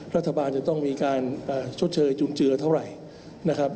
รัฐบาลจะต้องมีการชดเชยจุนเจือเท่าไหร่นะครับ